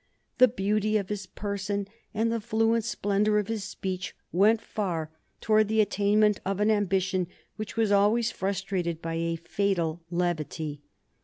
The beauty of his person and the fluent splendor of his speech went far towards the attainment of an ambition which was always frustrated by a fatal levity.